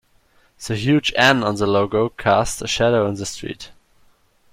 The huge N on the logo cast a shadow in the street.